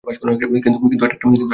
কিন্তু ওটা একটা ভুল ছিল।